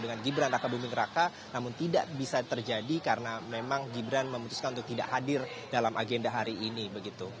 dengan gibran raka buming raka namun tidak bisa terjadi karena memang gibran memutuskan untuk tidak hadir dalam agenda hari ini begitu